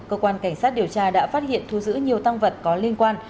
cơ quan cảnh sát điều tra đã phát hiện thu giữ nhiều tăng vật có liên quan